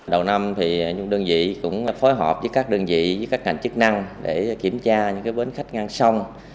đầu năm thì đơn vị cũng phối hợp với các đơn vị với các ngành chức năng để kiểm tra những bến khách ngang sông